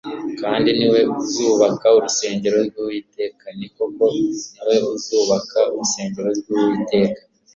kandi ni we uzubaka urusengero rw'Uwiteka, ni koko ni we uzubaka urusengero rw'Uwiteka,